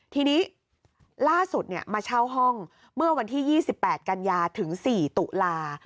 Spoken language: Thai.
ทีนี้ล่าสุดมาเช่าห้องเมื่อวันที่๒๘กันยาถึง๔ตุลา